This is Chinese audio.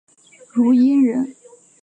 汝阴人。